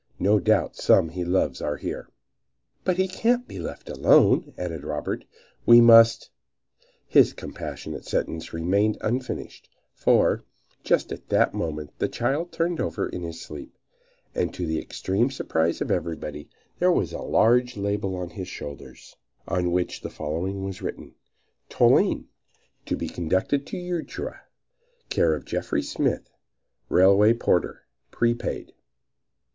No doubt some he loves are here." "But he can't be left here," added Robert. "We must " His compassionate sentence remained unfinished, for, just at that moment the child turned over in his sleep, and, to the extreme surprise of everybody, there was a large label on his shoulders, on which the following was written: TOLINE. To be conducted to Echuca. Care of Jeffries Smith, Railway Porter. Prepaid.